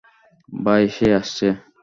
ভাই, সে আসছে।